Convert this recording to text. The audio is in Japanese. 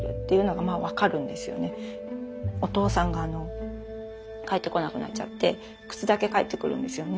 お父さんが帰ってこなくなっちゃって靴だけ帰ってくるんですよね。